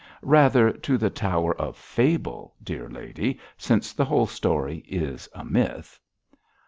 'Rather to the Tower of Fable, dear lady, since the whole story is a myth.'